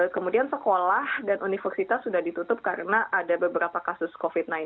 kemudian sekolah dan universitas sudah ditutup karena ada beberapa kasus covid sembilan belas